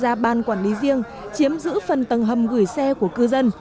họ đã tự ý lập ra ban quản lý riêng chiếm giữ phần tầng hầm gửi xe của cư dân